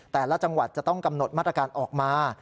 แต่ละจังหวัดจะต้องกำหนดมาตรการออกมา